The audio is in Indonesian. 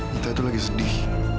kita tuh lagi sedih